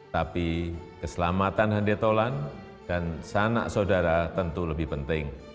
tapi keselamatan handetolan dan sanak saudara tentu lebih penting